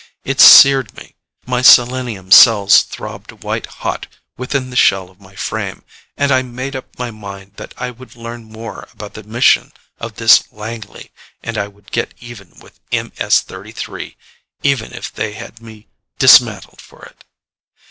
It seared me. My selenium cells throbbed white hot within the shell of my frame, and I made up my mind that I would learn more about the mission of this Langley, and I would get even with MS 33 even if they had me dismantled for it.